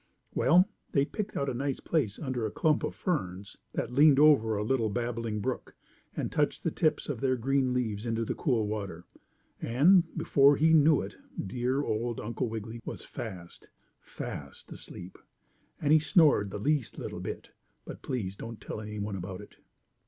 Well, they picked out a nice place under a clump of ferns, that leaned over a little babbling brook, and touched the tips of their green leaves into the cool water. And, before he knew it, dear old Uncle Wiggily was fast, fast asleep, and he snored the least little bit, but please don't tell any one about it.